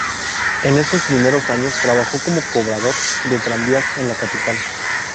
En estos primeros años trabajó como cobrador de tranvías en la capital.